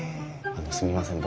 あのすみません